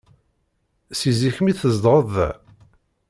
Si zik mi tzedɣeḍ da?